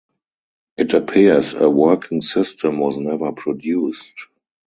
It appears a working system was never produced.